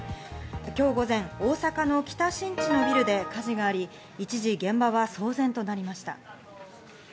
今日午前、大阪の北新地のビルで火事があり、一時現場は騒然となりました。